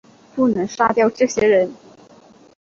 不能杀掉这些人